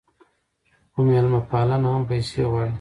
خو میلمه پالنه هم پیسې غواړي.